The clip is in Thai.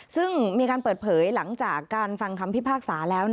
ซึ่งมีการเปิดเผยหลังจากการฟังคำพิพากษาแล้ว